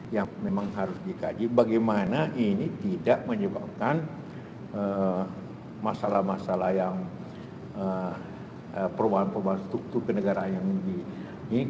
yang memang harus dikaji bagaimana ini tidak menyebabkan masalah masalah yang perubahan perubahan struktur kenegaraan yang dimiliki